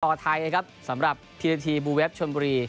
ต่อท้ายนะครับสำหรับทีละทีบูเวฟชวนบุรี